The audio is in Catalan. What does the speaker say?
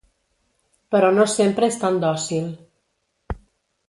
Però no sempre és tan dòcil.